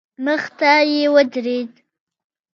مخې ته يې ودرېد.